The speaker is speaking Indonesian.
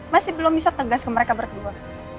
masih belum bisa tegas ke mereka berdua